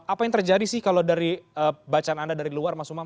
apa yang terjadi sih kalau dari bacaan anda dari luar mas umam